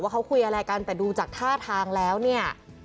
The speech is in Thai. เขาคุยอะไรกันแต่ดูจากท่าทางแล้วเนี่ย